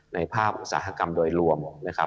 ในภาคอุตสาหกรรมโดยรวมนะครับ